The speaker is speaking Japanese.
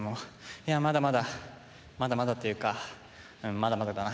いやまだまだまだまだというかうんまだまだだな。